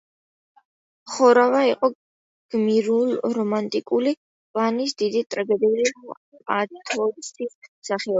ხორავა იყო გმირულ-რომანტიკული პლანის, დიდი ტრაგიკული პათოსის მსახიობი.